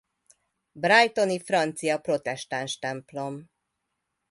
Brightoni francia protestáns templom